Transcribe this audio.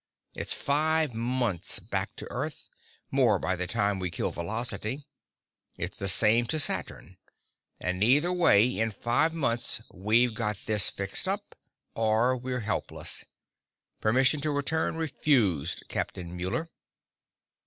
It's five months back to Earth more, by the time we kill velocity. It's the same to Saturn. And either way, in five months we've got this fixed up, or we're helpless. Permission to return refused, Captain Muller."